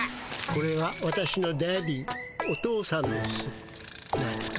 これは私のダディーお父さんです。